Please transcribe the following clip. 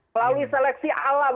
melalui seleksi alam